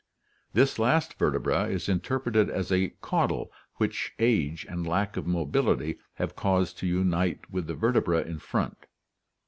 This last vertebra is interpreted as a caudal which age and lack of mobility have caused to unite with the vertebrae in front.